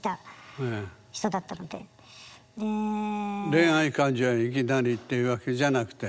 恋愛感情にいきなりというわけじゃなくて？